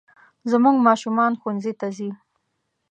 زموږ ماشومان ښوونځي ته ځي